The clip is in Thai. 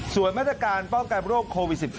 ส่วนมาตรการป้องกันโรคโควิด๑๙